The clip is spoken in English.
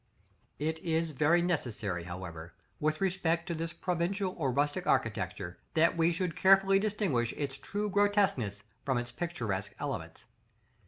§ XXXV. It is very necessary, however, with respect to this provincial or rustic architecture, that we should carefully distinguish its truly grotesque from its picturesque elements.